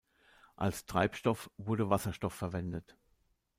Als Treibstoff wurde Wasserstoff verwendet.